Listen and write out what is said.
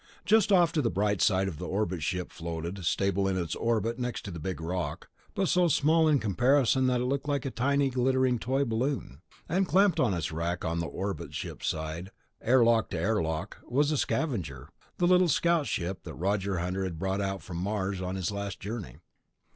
Just off the bright side the orbit ship floated, stable in its orbit next to the big rock, but so small in comparison that it looked like a tiny glittering toy balloon. And clamped on its rack on the orbit ship's side, airlock to airlock, was the Scavenger, the little scout ship that Roger Hunter had brought out from Mars on his last journey.